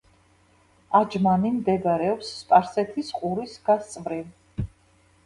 აჯმანი მდებარეობს სპარსეთის ყურის გასწვრივ.